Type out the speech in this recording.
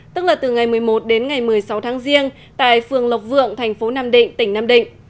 tức là từ ngày một mươi một đến ngày một mươi sáu tháng riêng tại phường lộc vượng thành phố nam định tỉnh nam định